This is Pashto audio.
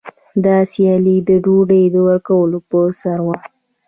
دا سیالي د ډوډۍ ورکولو په سر وه.